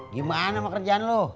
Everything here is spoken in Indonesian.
gimana sama kerjaan lu